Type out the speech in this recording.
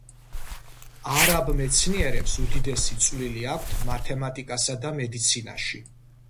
არაბ მეცნიერებს უდიდესი წვლილი აქვთ მათემატიკასა და მედიცინაში.